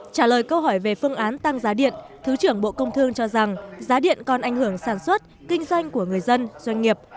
trả lời câu hỏi về phương án tăng giá điện thứ trưởng bộ công thương cho rằng giá điện còn ảnh hưởng sản xuất kinh doanh của người dân doanh nghiệp